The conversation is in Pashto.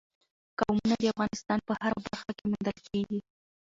قومونه د افغانستان په هره برخه کې موندل کېږي.